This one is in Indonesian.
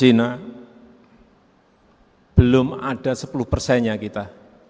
china belum ada sepuluh persennya kita